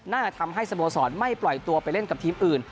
น่าจะทำให้สโมสรไม่ปล่อยตัวไปเล่นกับทีมอื่น